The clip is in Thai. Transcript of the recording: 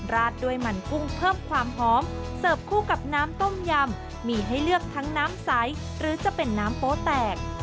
ราดด้วยมันกุ้งเพิ่มความหอมเสิร์ฟคู่กับน้ำต้มยำมีให้เลือกทั้งน้ำใสหรือจะเป็นน้ำโป๊แตก